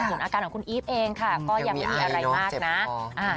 ส่วนอาการของคุณอีฟเองค่ะก็ยังไม่มีอะไรมากนะ